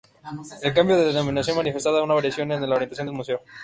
El cambio de denominación manifestaba una variación en la orientación del museo.